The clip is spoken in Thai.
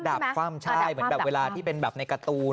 คว่ำใช่เหมือนแบบเวลาที่เป็นแบบในการ์ตูน